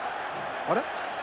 あれ？